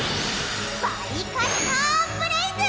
バリカッターブレイズ！